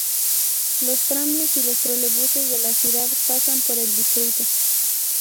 Los tranvías y trolebuses de la ciudad pasan por el distrito.